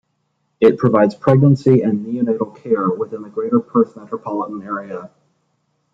It provides pregnancy and neonatal care within the greater Perth Metropolitan area.